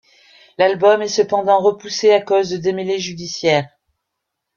L'album est cependant repoussé à cause de démêlés judiciaires.